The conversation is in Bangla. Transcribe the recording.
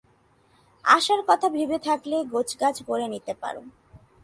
আসার কথা ভেবে থাকলে গোছগাছ করে নিতে পারো।